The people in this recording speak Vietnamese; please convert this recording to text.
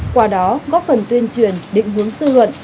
qua đó góp phần tuyên truyền định hướng dư luận